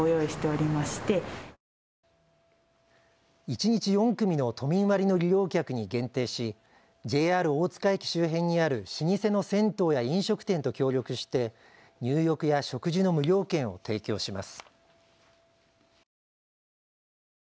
一日４組の都民割の利用客に限定し、ＪＲ大塚駅周辺にある老舗の銭湯や飲食店と協力して入浴や食事の無料券を提供します。